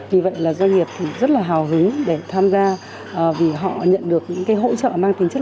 vì vậy là doanh nghiệp rất là hào hứng để tham gia vì họ nhận được những hỗ trợ mang tính chất